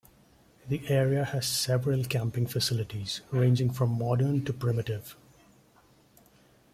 The area has several camping facilities, ranging from modern to primitive.